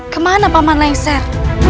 kemana paman lengser